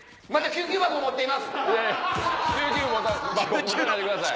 救急箱持たないでください。